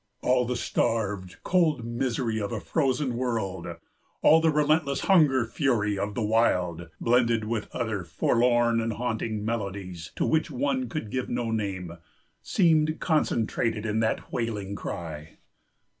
All the starved, cold misery of a frozen world, all the relentless hunger fury of the wild, blended with other forlorn and haunting melodies to which one could give no name, seemed concentrated in that wailing cry.